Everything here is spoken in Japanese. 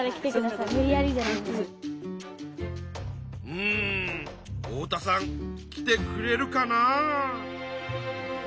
うん太田さん来てくれるかな？